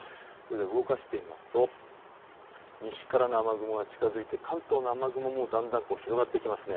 動かしてみますと西からの雨雲が近づいて関東の雨雲もだんだん広がってきます。